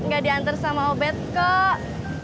gak diantar sama obet kok